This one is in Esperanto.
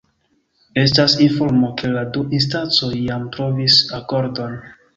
Estas informo, ke la du instancoj jam trovis akordon.